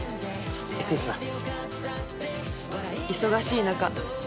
失礼します。